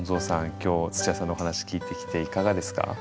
今日つちやさんのお話聞いてきていかがですか？